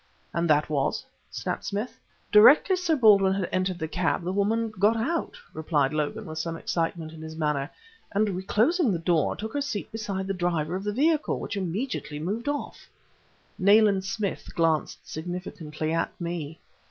"And that was?" snapped Smith. "Directly Sir Baldwin had entered the cab the woman got out," replied Logan with some excitement in his manner, "and reclosing the door took her seat beside the driver of the vehicle which immediately moved off." Nayland Smith glanced significantly at me.